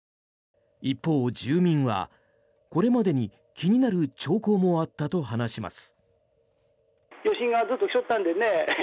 一方、住民は、これまでに気になる兆候もあったと話します。